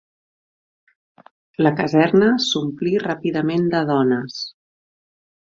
La caserna s'omplí ràpidament de dones